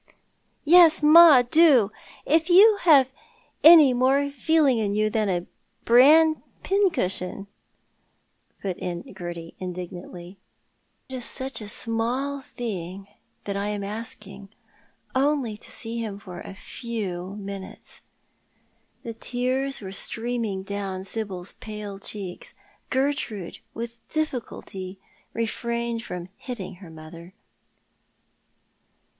" Yes, ma, do. If you've any more feeling in you than a bran pincushion," put in Gerty, indignantly. " It is such a small thing that I am asking. Only to see him for a few minutes." The tears were streaming down Sibyl's pale cheeks. Gertrude with difficulty refrained from hitting her mother.